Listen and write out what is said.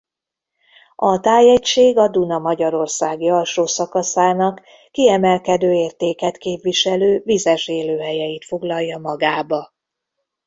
A tájegység a Duna magyarországi alsó szakaszának kiemelkedő értéket képviselő vizes élőhelyeit foglalja magába.